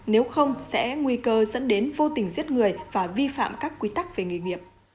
nếu không sẽ nguy cơ dẫn đến vô tình giết người và vi phạm các quy tắc về nghề nghiệp